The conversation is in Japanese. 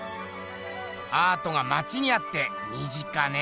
アートがまちにあって身近ねぇ。